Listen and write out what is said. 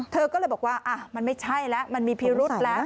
เธอก็เลยบอกว่ามันไม่ใช่แล้วมันมีพิรุษแล้ว